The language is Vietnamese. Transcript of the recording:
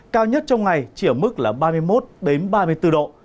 cao nhất trong ngày chỉ ở mức là ba mươi một ba mươi bốn độ